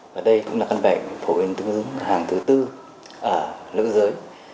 và đây cũng là căn bệnh phổ biến tương ứng hàng thứ tư ở nữ giới